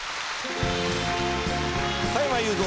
加山雄三